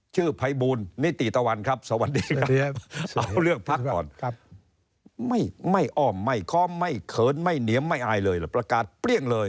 ชื่อไพบูลนิติตวรสวัสดีครับ